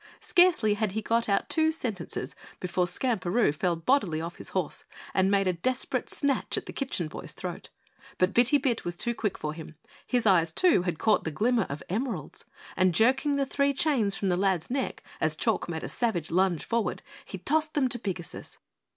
Scarcely had he got out two sentences before Skamperoo fell bodily off his horse and made a desperate snatch at the Kitchen Boy's throat. But Bitty Bit was too quick for him. His eyes, too, had caught the glimmer of emeralds, and jerking the three chains from the lad's neck as Chalk made a savage lunge forward, he tossed them to Pigasus.